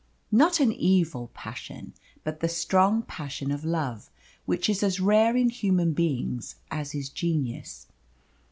Not an evil passion, but the strong passion of love, which is as rare in human beings as is genius.